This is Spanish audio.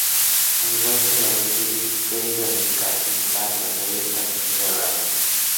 Al igual que las variantes dulces pueden clasificarse en tartas abiertas o cerradas.